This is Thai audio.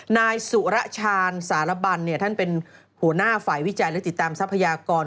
นายสุรชาญสารบันท่านเป็นหัวหน้าฝ่ายวิจัยและติดตามทรัพยากร